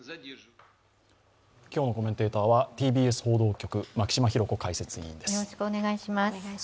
今日のコメンテーターはＴＢＳ報道局・牧嶋博子解説委員です。